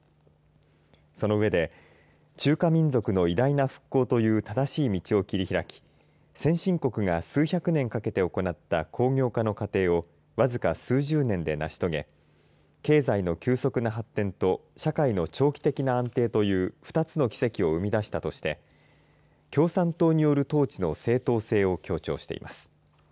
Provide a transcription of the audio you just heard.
その上で中華民族の偉大な復興という正しい道を切り開き先進国が数百年かけて行った工業化の過程を僅か数十年で成し遂げ経済の急速な発展と社会の長期的な安定という２つの奇跡を生み出したとして共産党による統治の正当性を強調しています。